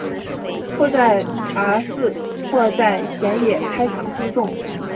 或在茶肆或在野闲开场聚众。